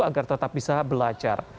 agar tetap bisa belajar